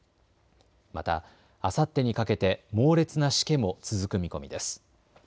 また、あさってにかけて猛烈なしけも続く見込みです。